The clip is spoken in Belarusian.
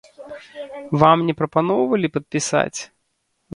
Вам не прапаноўвалі падпісаць?